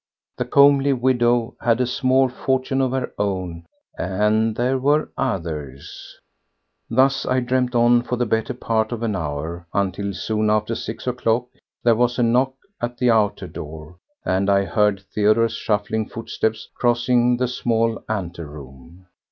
The comely widow had a small fortune of her own, and there were others! ... Thus I dreamed on for the better part of an hour, until, soon after six o'clock, there was a knock at the outer door and I heard Theodore's shuffling footsteps crossing the small anteroom.